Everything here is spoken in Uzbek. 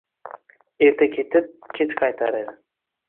Erta ketib, kech qaytar edi.